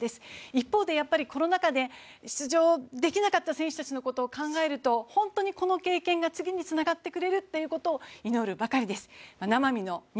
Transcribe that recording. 一方でやっぱりコロナ禍で出場できなかった選手たちのことを考えると、本当にこの経験が次につながってくれるっていうことを祈るばかりです。